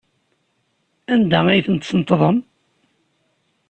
Anda ay ten-tesneṭḍem?